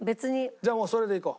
じゃあもうそれでいこう。